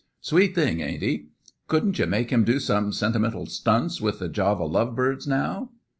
Sweet thing, ain't he? Couldn't you make him do some sentimental stunts with the Java love birds, now?"